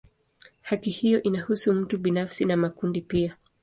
Haki hiyo inahusu mtu binafsi na makundi pia.